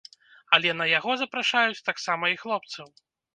Але на яго запрашаюць таксама і хлопцаў.